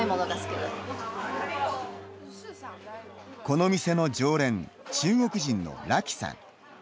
この店の常連中国人のラキさん。